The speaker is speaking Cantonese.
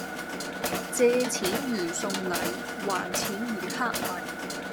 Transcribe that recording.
借錢如送禮，還錢如乞米